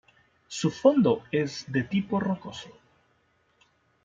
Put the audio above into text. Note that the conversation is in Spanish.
Su fondo es de tipo rocoso.